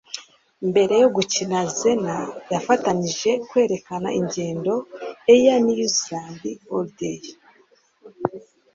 Mbere yo gukina Xena, yafatanije kwerekana ingendo "Air New Zealand Holiday"